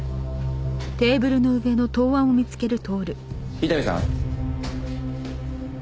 伊丹さん。